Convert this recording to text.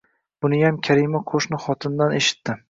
Buniyam Karima qo`shni xotindan eshitdi